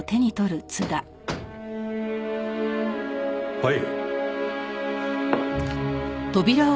はい。